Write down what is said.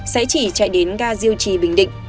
sẽ chỉ chạy đến ga diêu trì bình định